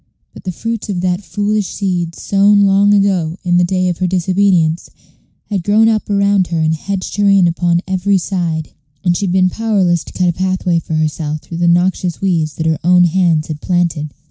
But the fruits of that foolish seed, sown long ago, in the day of her disobedience, had grown up around her and hedged her in upon every side, and she had been powerless to cut a pathway for herself through the noxious weeds that her own hands had planted.